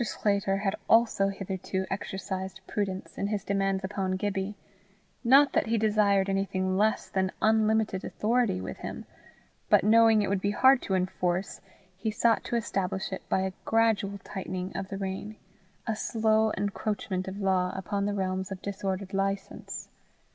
Sclater also had hitherto exercised prudence in his demands upon Gibbie not that he desired anything less than unlimited authority with him, but, knowing it would be hard to enforce, he sought to establish it by a gradual tightening of the rein, a slow encroachment of law upon the realms of disordered license.